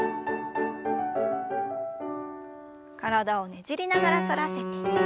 体をねじりながら反らせて。